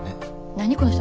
何この人。